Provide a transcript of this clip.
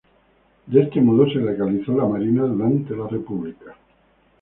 De este modo se legalizó la Marina durante la República.